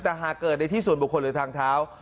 แต่หากเกิดในที่ส่วนบุคคลหรือทางเท้า